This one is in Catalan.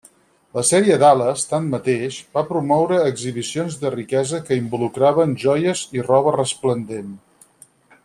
La sèrie Dallas, tanmateix, va promoure exhibicions de riquesa que involucraven joies i roba resplendent.